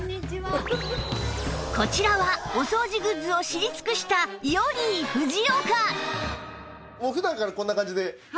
こちらはお掃除グッズを知り尽くしたヨリー・フジオカ